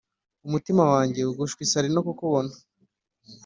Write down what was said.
Umutima wanjye ugushwa isari nokukubona